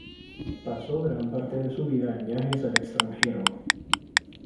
Pasó gran parte de su vida en viajes al extranjero.